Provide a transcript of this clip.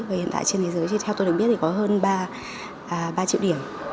và hiện tại trên thế giới thì theo tôi được biết thì có hơn ba triệu điểm